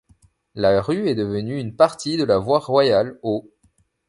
La rue est devenue une partie de la Voie Royale au .